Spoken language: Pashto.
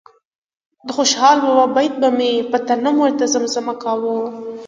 د خوشال بابا بیت به مې په ترنم ورته زمزمه کاوه.